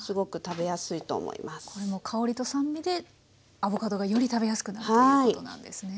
これも香りと酸味でアボカドがより食べやすくなるということなんですね